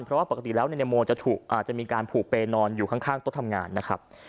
ปกติแล้วนายโมจะถูกอาจจะมีการผูกไปนอนอยู่ข้างต้นทำงานนะครับ